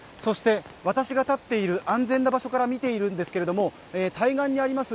私が立っている安全な場所から見ているんですけども、対岸にあります